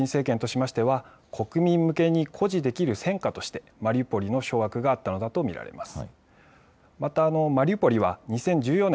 プーチン政権としては国民向けに誇示できる戦果としてマリウポリの掌握があったのだと見られます。